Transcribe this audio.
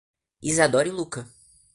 Isadora e Lucca